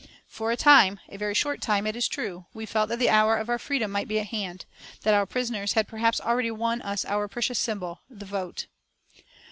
For a time, a very short time, it is true, we felt that the hour of our freedom might be at hand, that our prisoners had perhaps already won us our precious symbol the vote.